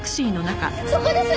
そこです！